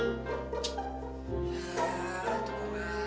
enak itu ya